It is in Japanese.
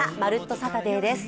サタデー」です。